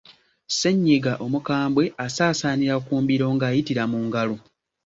Ssennyiga omukambwe asaasaanira ku mbiro ng’ayitira mu ngalo.